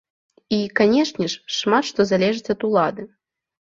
І, канешне ж, шмат што залежыць ад улады.